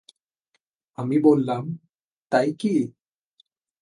আমি বললাম, তাই কি?